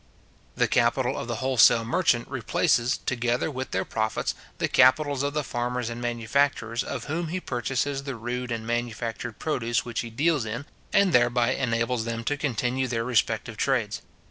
The capital of the wholesale merchant replaces, together with their profits, the capitals of the farmers and manufacturers of whom he purchases the rude and manufactured produce which he deals in, and thereby enables them to continue their respective trades.